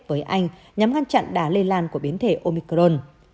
với anh nhằm ngăn chặn đá lây lan của biến thể omicron